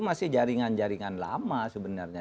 masih jaringan jaringan lama sebenarnya